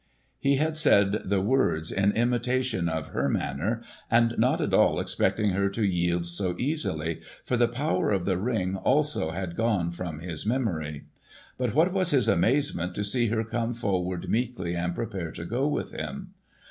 He had said the words in imitation of her manner, and not at all expecting her to yield so easily, for the power of the Ring also had gone from his memory. But what was his amazement to see her come forward meekly and prepare to go with him.